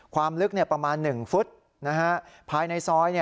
ความลึกประมาณ๑ฟุตภายในซอย